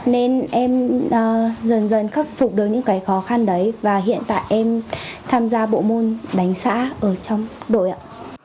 nên em dần dần khắc phục được những cái khó khăn đấy và hiện tại em tham gia bộ môn đánh xã ở trong đội ạ